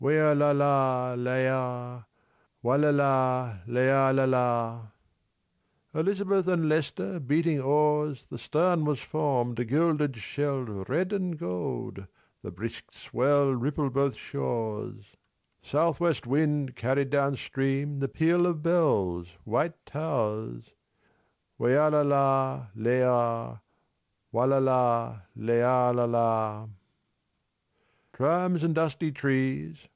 Weialala leia Wallala leialala Elizabeth and Leicester Beating oars 280 The stern was formed A gilded shell Red and gold The brisk swell Rippled both shores Southwest wind Carried down stream The peal of bells White towers Weialala leia 290 Wallala leialala "Trams and dusty trees.